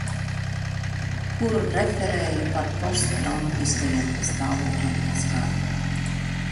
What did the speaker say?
Kur referēju par posttraumatiskajiem stāvokļiem pēc kara.